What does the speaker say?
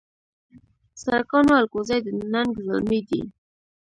سرکاڼو الکوزي د ننګ زلمي دي